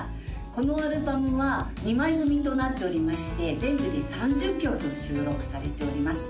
このアルバムは２枚組となっておりまして全部で３０曲収録されております